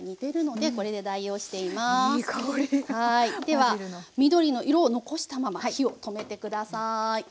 では緑の色を残したまま火を止めて下さい。